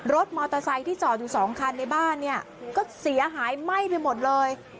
รถมอเตอร์ไซค์ที่จอดอยู่สองคันในบ้านเนี่ยก็เสียหายไหม้ไปหมดเลย